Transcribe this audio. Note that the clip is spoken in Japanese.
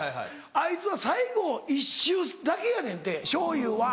あいつは最後１周だけやねんてしょうゆは。